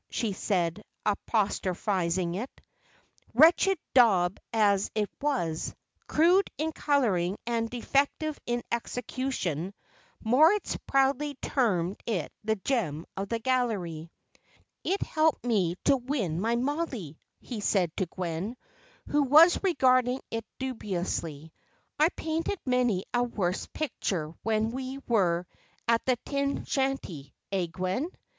she said, apostrophising it. Wretched daub as it was, crude in colouring and defective in execution, Moritz proudly termed it the gem of the gallery. "It helped me to win my Mollie," he said to Gwen, who was regarding it dubiously. "I painted many a worse picture when we were at the Tin Shanty, eh, Gwen?"